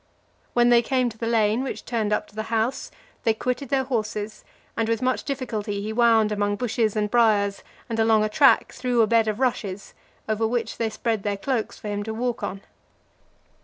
When they came to the lane which turned up to the house, they quitted their horses, and with much difficulty he wound among bushes, and briars, and along a track through a bed of rushes, over which they spread their cloaks for him to walk on.